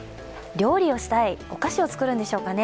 料理をしたい、お菓子を作るんでしょうかね？